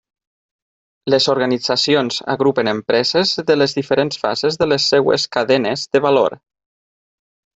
Les organitzacions agrupen empreses de les diferents fases de les seues cadenes de valor.